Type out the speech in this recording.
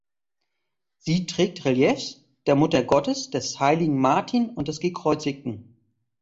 Sie trägt Reliefs der Muttergottes, des heiligen Martin und des Gekreuzigten.